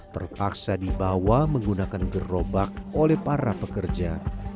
terpaksa dibawa menggunakan gerobak oleh para pekerja